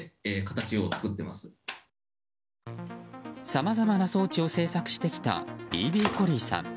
さまざまな装置を制作してきたＢＢコリーさん。